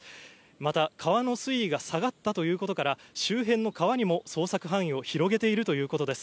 また川の水位が下がったということから、周辺の川にも捜索範囲を広げているということです。